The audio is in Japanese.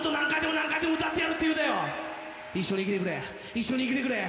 一緒に生きてくれ。